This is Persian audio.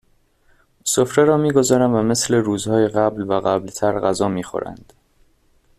سفره را میگذارم و مثل روزهای قبل و قبلتر غذا میخورند